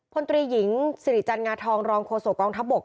พลตรีหญิงสิริจันงาทองรองโฆษกองทัพบก